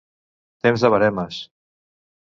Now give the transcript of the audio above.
Temps de veremes.